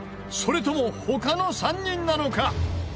それとも他の３人なのか？